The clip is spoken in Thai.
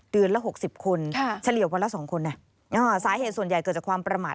ละ๖๐คนเฉลี่ยวันละ๒คนสาเหตุส่วนใหญ่เกิดจากความประมาท